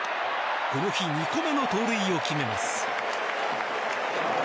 この日２個目の盗塁を決めます。